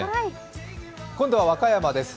今度は和歌山です。